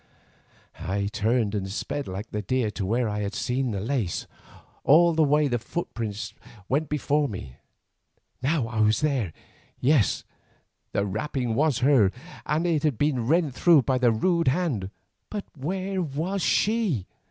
I turned and sped like a deer back to where I had seen the lace. All the way the footprints went before me. Now I was there. Yes, the wrapping was hers, and it had been rent as though by a rude hand; but where was she?